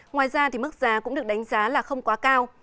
ngoài ra mức giá cũng được đánh giá là không quá cao